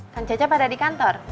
kan cecep ada di kantor